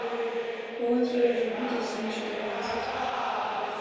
Год ёй ужо будзе ці не чатырнаццаць.